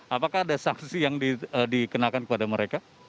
apakah ada sanksi yang dikenakan kepada mereka